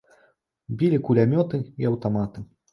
Білі кулямёты і аўтаматы.